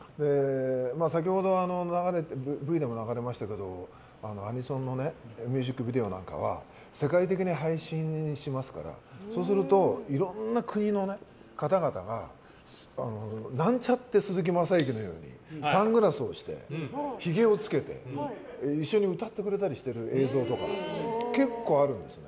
先ほど、Ｖでも流れましたけどアニソンのミュージックビデオなんかは世界的に配信しますからそうすると、いろんな国の方々がなんちゃって鈴木雅之のようにサングラスをしてひげをつけて一緒に歌ってくれたりする映像が結構あるんですよ。